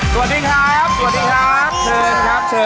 สวัสดีครับ